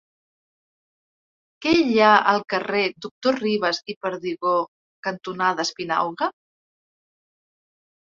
Què hi ha al carrer Doctor Ribas i Perdigó cantonada Espinauga?